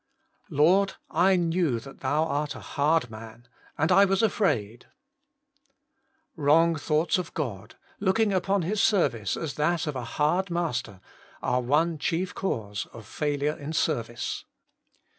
' Lord, I kneiv that thou art a hard man, and I zvas afraid.' Wrong thoughts of God, looking upon His service as that of a Working for God 35 hard master, are one chief cause of failure in service.